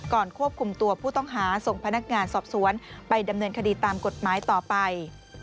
ควบคุมตัวผู้ต้องหาส่งพนักงานสอบสวนไปดำเนินคดีตามกฎหมายต่อไป